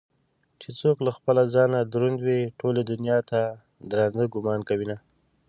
چې څوك له خپله ځانه دروند وي ټولې دنياته ددراندۀ ګومان كوينه